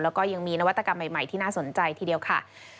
แล้วก็ยังมีนวัตกรรมใหม่ที่น่าสนใจทีเดียวค่ะ